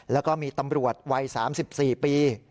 แล้วก็มีตำรวจวัย๓๔ปี